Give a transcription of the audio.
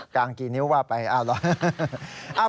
กลางกี่นิ้วว่าไปอ้าวเหรอ